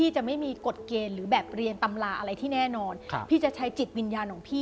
ฉันไม่อยากจะคุยด้วย